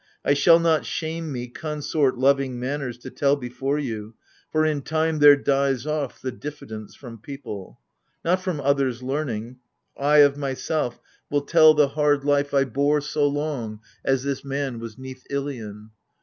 I shall not shame me, consort loving manners To tell before you : for in time there dies off The diffidence from people. Not from others Learning, I of myself will tell the hard life 70 AGAMEMNON. I bore so long as this man was 'neath Ilion.